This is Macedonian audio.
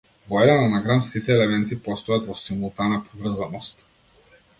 Во еден анаграм сите елементи постојат во симултана поврзаност.